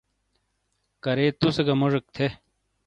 کَرے تُسے گَہ موجیک تھے۔